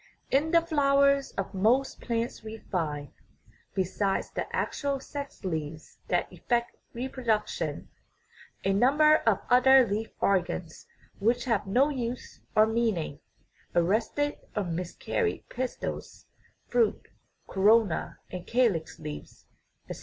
In the flowers of most plants we find, besides the actual sex leaves that effect reproduction, a number of other leaf organs which have no use or meaning (arrested or "miscarried" pistils, fruit, corona, and calix leaves, etc.).